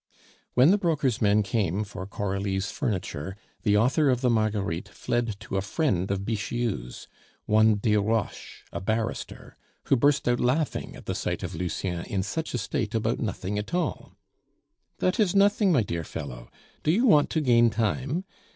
When the broker's men came for Coralie's furniture, the author of the Marguerites fled to a friend of Bixiou's, one Desroches, a barrister, who burst out laughing at the sight of Lucien in such a state about nothing at all. "That is nothing, my dear fellow. Do you want to gain time?"